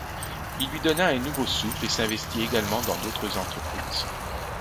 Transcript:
Il lui donna un nouveau souffle et s'investit également dans d'autres entreprises.